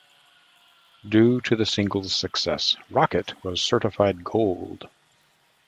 Due to the single's success, "Rocket" was certified gold.